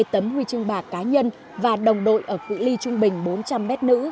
hai tấm huy chương bạc cá nhân và đồng đội ở cụ ly trung bình bốn trăm linh m nữ